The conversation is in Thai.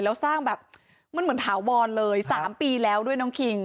แล้วสร้างแบบมันเหมือนถาวรเลย๓ปีแล้วด้วยน้องคิง